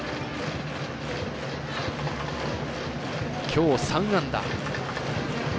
きょう、３安打。